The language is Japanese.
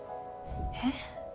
えっ？